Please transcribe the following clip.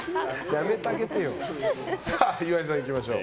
さあ、岩井さんいきましょう。